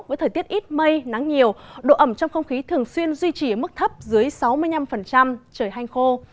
với thời tiết ít mây nắng nhiều độ ẩm trong không khí thường xuyên duy trì ở mức thấp dưới sáu mươi năm trời hanh khô